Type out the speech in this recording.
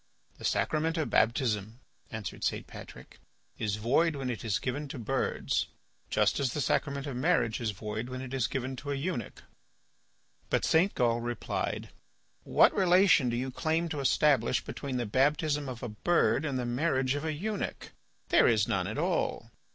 "The sacrament of baptism," answered St. Patrick, "is void when it is given to birds, just as the sacrament of marriage is void when it is given to a eunuch." But St. Gal replied: "What relation do you claim to establish between the baptism of a bird and the marriage of a eunuch? There is none at all.